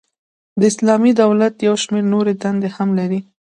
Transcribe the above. د اسلامی دولت یو شمیر نوري دندي هم لري.